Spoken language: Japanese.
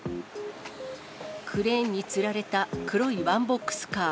クレーンにつられた黒いワンボックスカー。